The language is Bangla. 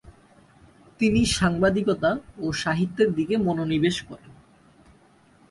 তিনি সাংবাদিকতা ও সাহিত্যের দিকে মনোনিবেশ করেন।